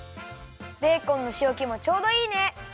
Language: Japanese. ベーコンのしおけもちょうどいいね！